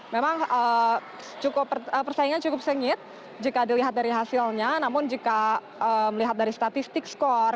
memang persaingan cukup sengit jika dilihat dari hasilnya namun jika melihat dari statistik skor